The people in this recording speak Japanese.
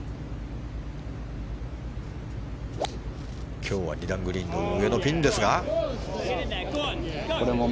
今日は２段グリーンの上のピンですが。